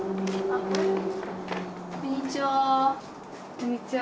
こんにちは。